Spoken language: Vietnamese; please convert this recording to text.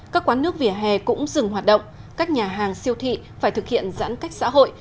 các quán nước vỉa hè cũng dừng hoạt động các nhà hàng siêu thị phải thực hiện giãn cách xã hội